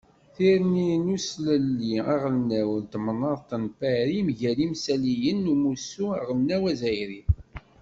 Tirni n uslelli aɣelnaw n temnaḍt n Pari mgal imssaliyen n Umussu aɣelnaw azzayri.